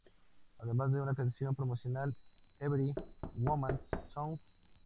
Además de una canción promocional, "Every Woman's Song".